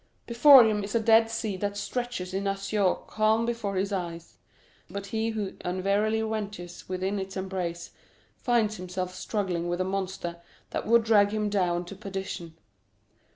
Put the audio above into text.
Before him is a dead sea that stretches in azure calm before the eye; but he who unwarily ventures within its embrace finds himself struggling with a monster that would drag him down to perdition.